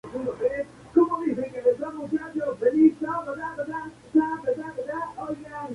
El Primero de Enero se traduce como alba de la Victoria.